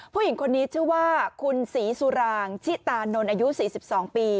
ผู้หญิงคนนี้ชื่อว่าคุณศรีสุรางชิตานนท์อายุ๔๒ปี